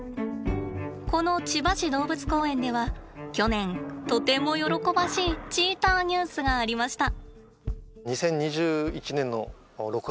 この千葉市動物公園では去年とても喜ばしいチーターニュースがありました。